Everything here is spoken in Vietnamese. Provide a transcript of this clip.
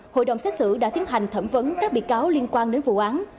hội đồng xét xử đã tiến hành thẩm vấn các bị cáo liên quan đến vụ án